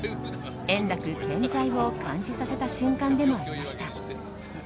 円楽健在を感じさせた瞬間でもありました。